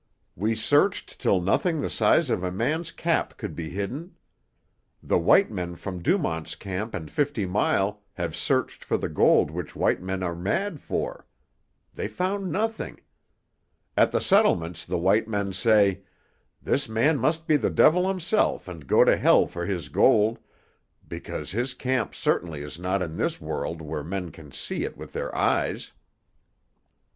We searched till nothing the size of a man's cap could be hidden. The white men from Dumont's Camp and Fifty Mile have searched for the gold which white men are mad for. They found nothing. At the settlements the white men say, 'This man must be the devil himself and go to hell for his gold, because his camp certainly is not in this world where men can see it with their eyes.